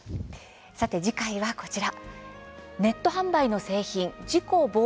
さて次回はこちら。